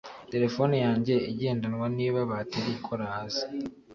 Terefone yanjye igendanwa niba bateri ikora hasi.